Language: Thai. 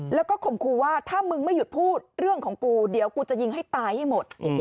แล้วก็ข่มครูว่าถ้ามึงไม่หยุดพูดเรื่องของกูเดี๋ยวกูจะยิงให้ตายให้หมด